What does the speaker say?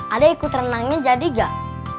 adek ikut renangnya jadi gak